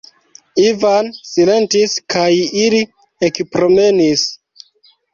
Ivan silentis kaj ili ekpromenis.